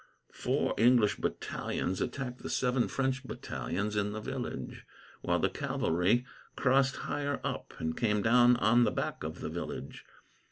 Four English battalions attacked the seven French battalions in the village, while the cavalry crossed higher up, and came down on the back of the village.